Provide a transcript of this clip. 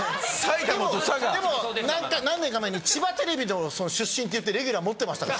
でも何年か前に千葉テレビでも出身って言ってレギュラー持ってましたから。